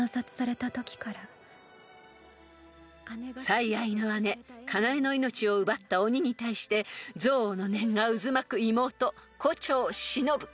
［最愛の姉カナエの命を奪った鬼に対して憎悪の念が渦巻く妹胡蝶しのぶ］